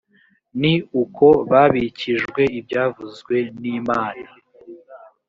ni uko babikijwe ibyavuzwe n imana